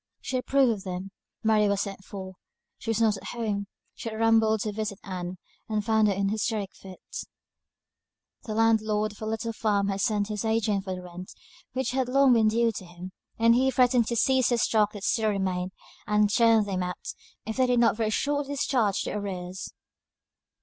She approved of them; Mary was sent for; she was not at home; she had rambled to visit Ann, and found her in an hysteric fit. The landlord of her little farm had sent his agent for the rent, which had long been due to him; and he threatened to seize the stock that still remained, and turn them out, if they did not very shortly discharge the arrears.